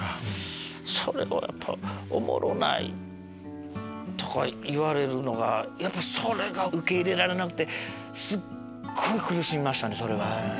それを「おもろない」とか言われるのがやっぱそれが受け入れられなくてすっごい苦しみましたね。